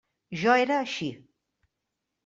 Jo era així.